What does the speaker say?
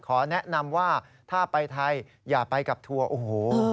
ขอแนะนำว่าถ้าไปไทยอย่าไปกับทัวร์โอ้โห